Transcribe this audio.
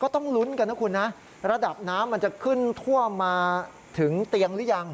ต้องลุ้นกันนะคุณนะระดับน้ำมันจะขึ้นท่วมมาถึงเตียงหรือยัง